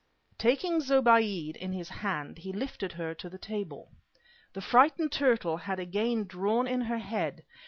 Taking Zobéide in his hand he lifted her to the table. The frightened turtle had again drawn in her head.